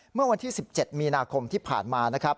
เมื่อวันที่๑๗มีนาคมที่ผ่านมานะครับ